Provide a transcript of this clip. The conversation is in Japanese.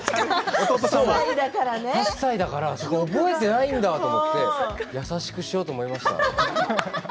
８歳だから覚えてないんだと思って優しくしようと思いました。